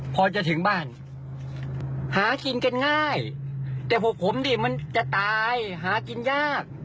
พอจะถึงบ้านหากินกันง่ายแต่พวกผมดิมันจะตายหากินยาก